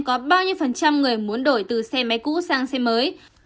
có bao nhiêu phần trăm người muốn đổi từ xe máy cũ sang xe mới